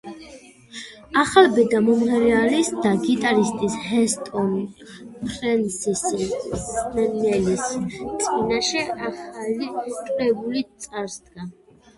ახალბედა მომღერალისა და გიტარისტის ჰესტონ ფრენსისი მსმენელის წინაშე ახალი კრებულით წარსდგა.